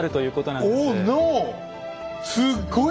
すっごい